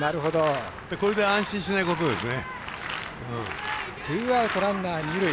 これで安心しないことですね。